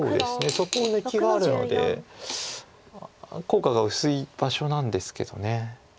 そこ抜きがあるので効果が薄い場所なんですけど。